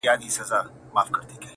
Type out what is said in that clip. د قلا تر جګ دېواله یې راوړی!